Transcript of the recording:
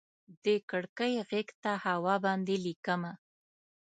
د کړکۍ غیږ ته هوا باندې ليکمه